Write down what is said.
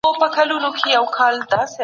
اسلامي نظام د عدل نظام دی.